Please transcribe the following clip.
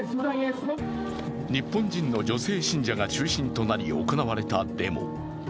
日本人の女性信者が中心となり行われたデモ。